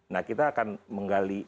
nah kita akan menggali